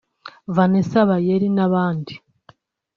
Vanessa Bayer n’abandi